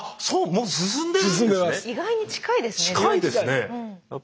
意外に近いですねじゃあ。